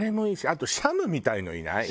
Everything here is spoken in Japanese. あとシャムみたいなのいない？